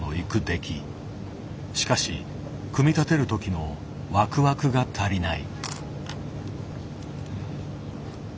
しかし組み立てる時の「ワクワク」が足りない。